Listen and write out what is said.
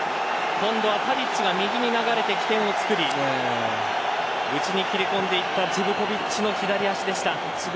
今度はタディッチが右に流れて起点をつくり内に切り込んでいたジヴコヴィッチの左足でした。